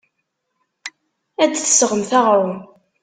Ad d-tesɣemt aɣrum.